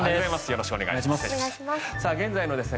よろしくお願いします。